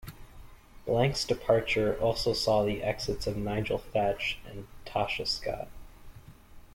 Blank's departure also saw the exits of Nigel Thatch and Tasha Scott.